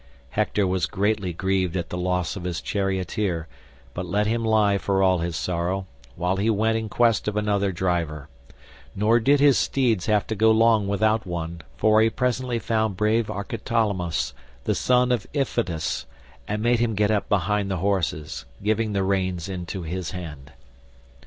Hector was greatly grieved at the loss of his charioteer, but let him lie for all his sorrow, while he went in quest of another driver; nor did his steeds have to go long without one, for he presently found brave Archeptolemus the son of Iphitus, and made him get up behind the horses, giving the reins into his hand.